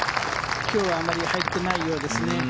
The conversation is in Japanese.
今日はあまり入ってないようですね。